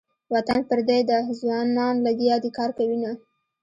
وطن پردی ده ځوانان لګیا دې کار کوینه.